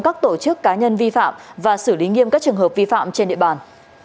các tổ chức cá nhân vi phạm và xử lý nghiêm các trường hợp vi phạm trên địa bàn